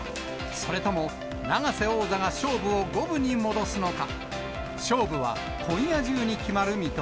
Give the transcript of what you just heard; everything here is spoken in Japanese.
それとも永瀬王座が勝負を五分に戻すのか。